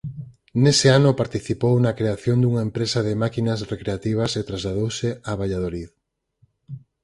Nese ano participou na creación dunha empresa de máquinas recreativas e trasladouse a Valladolid.